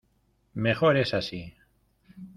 ¡ mejor es así!...